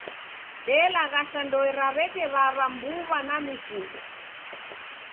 Delaghasha ndoe ra w'eke w'aw'a, mbuw'a na mifugho.